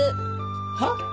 はっ？